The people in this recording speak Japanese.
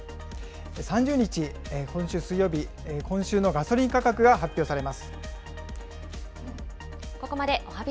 ３０日、今週水曜日、今週のガソリン価格が発表されます。